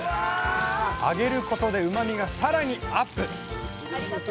揚げることでうまみが更にアップ。